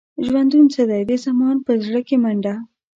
ژوندون څه دی؟ د زمان په زړه کې منډه.